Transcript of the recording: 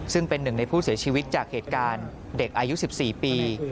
ซึ่งเป็นหนึ่งในผู้เสียชีวิตจากเหตุการณ์เด็กอายุ๑๔ปี